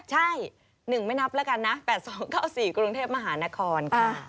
ใช่๑ไม่นับแล้วกันนะ๘๒๙๔กรุงเทพมหานครค่ะ